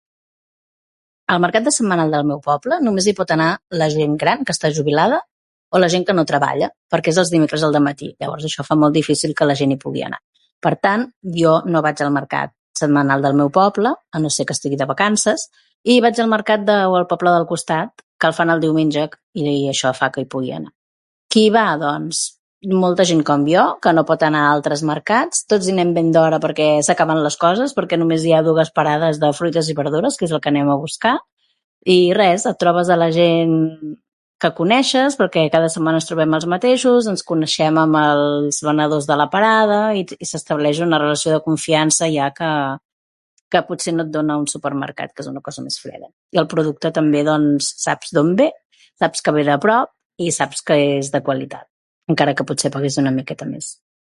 El mercat de setmanal del meu poble només hi pot anar la gent gran que està jubilada o la gent que no treballa, perquè és els dimecres al dematí, llavors això fa molt difícil que la gent hi pugui anar. Per tant, jo no vaig al mercat setmanal del meu poble, a no ser que estigui de vacances, i vaig al mercat de o al del poble del costat, que el fan el diumenge i això fa que hi pugui anar. Qui hi va? Doncs, molta gent com jo, que no pot anar a altres mercats, tots hi anem ben d'hora, perquè s'acaben les coses, perquè només hi ha dugues parades de fruites i verdures, que és el que anem a buscar. I res, et trobes a la gent que coneixes, perquè cada setmana ens trobem els mateixos. Ens coneixem amb els venedors de la parada i te i s'estableix una relació de confiança ja, que que potser no et dona un supermercat, que és una cosa més freda. I el producte també, doncs, saps d'on ve, saps que ve de prop, i saps que és de qualitat, encara que potser paguis una miqueta més.